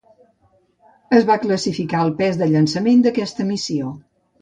Es va classificar el pes de llançament d'aquesta missió.